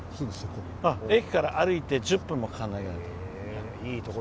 駅から歩いて１０分もかからないぐらいのところ。